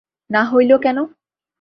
না হইল কেন।